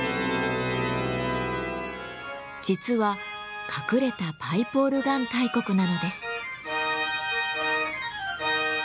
実は隠れた「パイプオルガン大国」なのです。